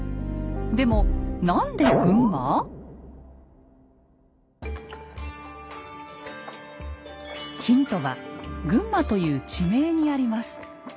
でもヒントは「群馬」という地名にあります。